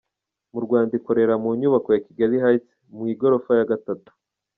Mu Rwanda ikorera mu nyubako ya Kigali Heights, mu igorofa ya gatatu.